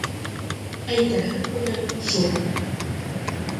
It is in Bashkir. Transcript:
- Әйтәһе һүҙем шул.